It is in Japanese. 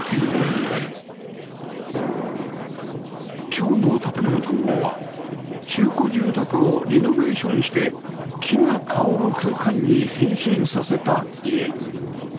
今日の『建もの探訪』は中古住宅をリノベーションして木が香る空間に変身させた家